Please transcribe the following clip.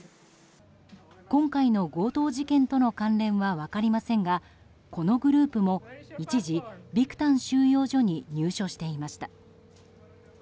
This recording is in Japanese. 今回の強盗事件との関連は分かりませんがこのグループも一時ビクタン収容所に入所していました。